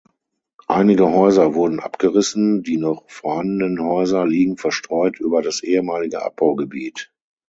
Einige Häuser wurden abgerissen; die noch vorhandenen Häuser liegen verstreut über das ehemalige Abbaugebiet.